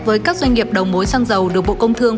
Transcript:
với các doanh nghiệp đầu mối xăng dầu được bộ công thương